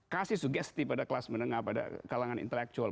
kasih sugesti pada kelas menengah pada kalangan intelektual